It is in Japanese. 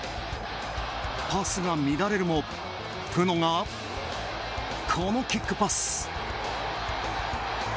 パスが乱れるもプノが、このキックパス。